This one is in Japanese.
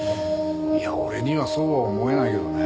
いや俺にはそうは思えないけどね。